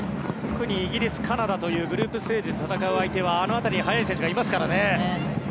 イギリス、カナダというグループステージで戦うところはあの辺りに速い選手がいますからね。